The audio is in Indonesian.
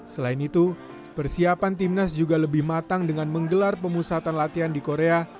selain itu persiapan timnas juga lebih matang dengan menggelar pemusatan latihan di korea